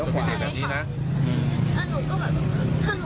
สีขาดเลยครับเสียใจที่หลัง